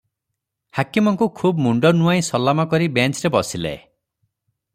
ହାକିମଙ୍କୁ ଖୁବ୍ ମୁଣ୍ଡ ନୁଆଁଇ ସଲାମ କରି ବେଞ୍ଚରେ ବସିଲେ ।